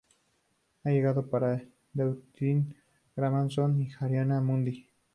Ha grabado para Deutsche Grammophon y Harmonía Mundi.